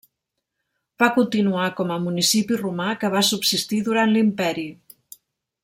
Va continuar com a municipi romà que va subsistir durant l'Imperi.